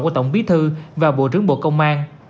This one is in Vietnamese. của tổng bí thư và bộ trưởng bộ công an